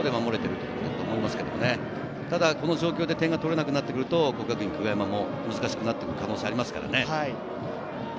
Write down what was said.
この状況で点が取れなくなってくると國學院久我山も難しくなってくる可能性がありますからね。